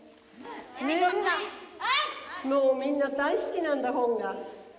みんな大好きなんだ本が。